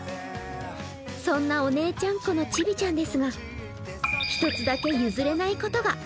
そんなお姉ちゃんっ子のちびちゃんですが、１つだけ譲れないことが。